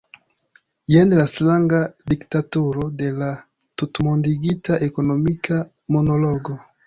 Jen la stranga diktaturo de la tutmondigita ekonomika monologo.